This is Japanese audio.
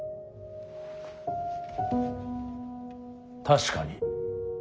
確かに。